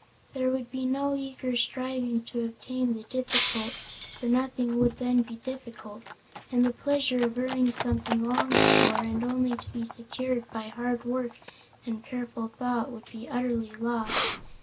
There would be no eager striving to obtain the difficult, for nothing would then be difficult, and the pleasure of earning something longed for, and only to be secured by hard work and careful thought, would be utterly lost.